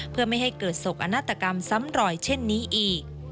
เพื่อไม่ให้เกิดโศกนาฏกรรมซ้ำรอยเช่นนี้อีก